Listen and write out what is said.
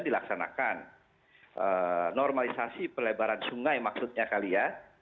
dilaksanakan normalisasi pelebaran sungai maksudnya kali ya